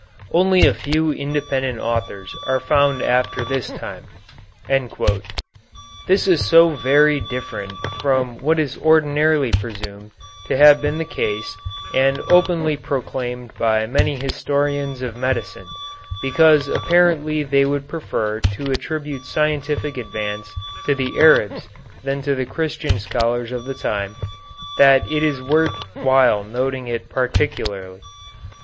Only a few independent authors are found after this time." This is so very different from what is ordinarily presumed to have been the case and openly proclaimed by many historians of medicine because apparently they would prefer to attribute scientific advance to the Arabs than to the Christian scholars of the time, that it is worth while noting it particularly.